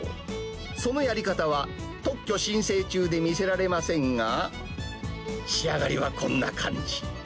そのやり方は、特許申請中で見せられませんが、仕上がりはこんな感じ。